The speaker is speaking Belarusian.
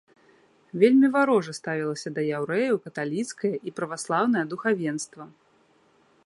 Вельмі варожа ставілася да яўрэяў каталіцкае і праваслаўнае духавенства.